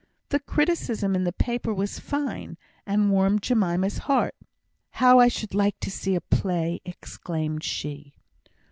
The criticism in the paper was fine, and warmed Jemima's heart. "How I should like to see a play!" exclaimed she.